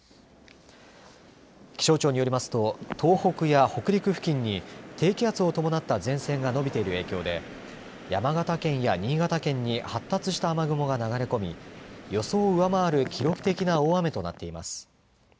気象庁によりますと東北や北陸付近に低気圧を伴った前線が伸びている影響で山形県や新潟県に発達した雨雲が流れ込み予想を上回る記録的な大雨となっています。